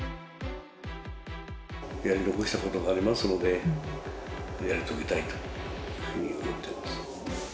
やり残したことがありますので、やり遂げたいというふうに思っています。